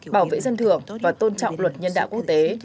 bảo vệ dân thường và tôn trọng luật nhân đạo quốc tế